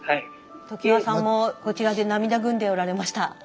常盤さんもこちらで涙ぐんでおられました。